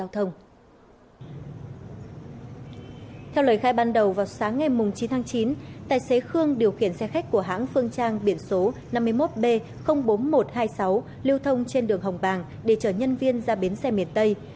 theo lời khai ban đầu vào sáng ngày chín tháng chín tài xế khương điều khiển xe khách của hãng phương trang biển số năm mươi một b bốn nghìn một trăm hai mươi sáu lưu thông trên đường hồng bàng để chở nhân viên ra bến xe miền tây